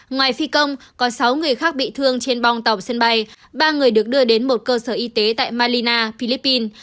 ngoài phi công có sáu người khác bị thương trên bong tàu sân bay ba người được đưa đến một cơ sở y tế tại malina philippines